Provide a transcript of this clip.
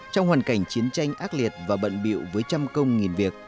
trong hoàn cảnh chiến tranh ác liệt và bận biệu với trăm công nghìn việc